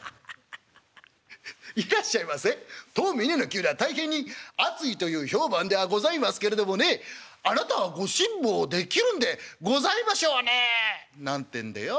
「『当の峯の灸は大変に熱いという評判ではございますけれどもねあなたはご辛抱できるんでございましょうね』なんてんでよ